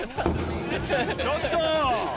ちょっと！